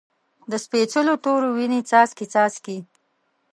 د سپیڅلو تورو، وینې څاڅکي، څاڅکي